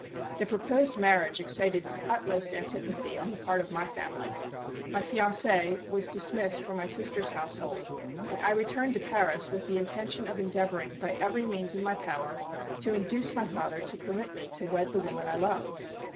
The proposed marriage excited the utmost antipathy on the part of my family; my fiancée was dismissed from my sister's household, and I returned to Paris with the intention of endeavoring by every means in my power to induce my father to permit me to wed the woman I loved.